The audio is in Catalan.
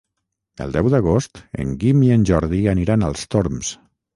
El deu d'agost en Guim i en Jordi aniran als Torms.